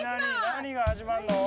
何が始まるの？